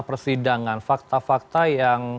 persidangan fakta fakta yang